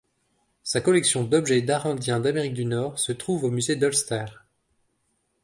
Sa collection d'objets d'art indiens d'Amérique du Nord se trouve au musée d'Ulster.